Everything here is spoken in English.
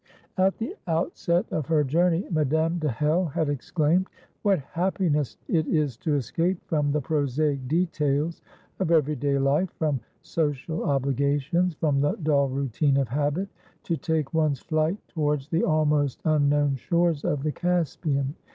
At the outset of her journey, Madame de Hell had exclaimed: "What happiness it is to escape from the prosaic details of every day life, from social obligations, from the dull routine of habit, to take one's flight towards the almost unknown shores of the Caspian!